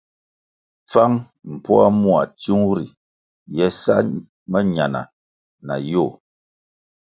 Pfang mpoa mua tsiung ri ye sa mañana na yoh.